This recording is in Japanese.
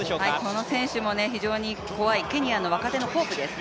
この選手も非常に怖い、ケニアの若手のホープです。